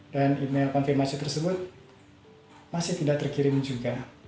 dan email konfirmasi tersebut masih tidak terkirim juga